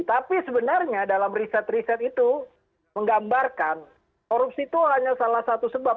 tapi sebenarnya dalam riset riset itu menggambarkan korupsi itu hanya salah satu sebab